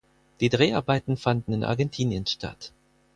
Die Dreharbeiten fanden in Argentinien statt.